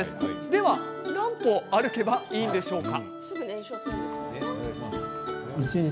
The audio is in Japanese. では何歩、歩けばいいんでしょうか？